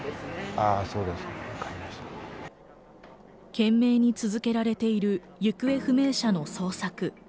懸命に続けられている、行方不明者の捜索。